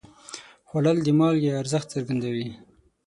خوړل د مالګې ارزښت څرګندوي